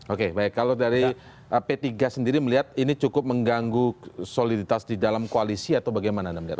oke baik kalau dari p tiga sendiri melihat ini cukup mengganggu soliditas di dalam koalisi atau bagaimana anda melihatnya